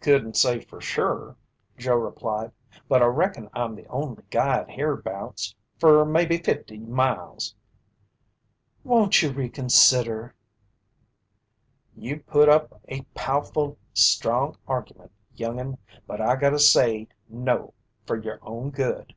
"Couldn't say fer sure," Joe replied, "but I reckon I'm the only guide herebouts fer maybe fifty miles." "Won't you reconsider?" "You put up a powe'ful strong argument, young'un, but I gotta say no fer yer own good."